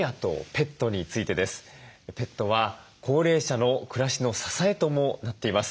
ペットは高齢者の暮らしの支えともなっています。